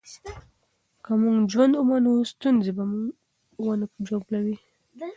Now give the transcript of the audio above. که موږ ژوند ومنو، ستونزې به موږ ونه ژوبلوي.